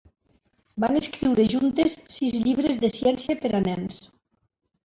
Van escriure juntes sis llibres de ciència per a nens.